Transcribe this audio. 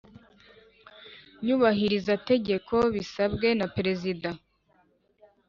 Nyubahirizategeko bisabwe na perezida